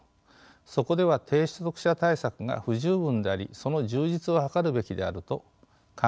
そこでは低所得者対策が不十分でありその充実を図るべきであると勧告しています。